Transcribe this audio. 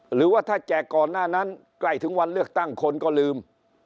หรือว่าถ้าแจกก่อนหน้านั้นใกล้ถึงวันเลือกตั้งคนก็ลืม